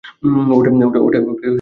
ওটাই আমাদের মাতৃভূমি।